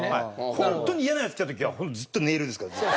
ホントに嫌なヤツ来た時はずっとネイルですからずっと。